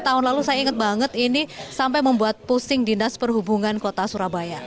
tahun lalu saya ingat banget ini sampai membuat pusing dinas perhubungan kota surabaya